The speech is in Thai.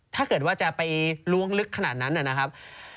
ถ้าเกิดว่าจะไปล้วงลึกขนาดนั้นนะครับ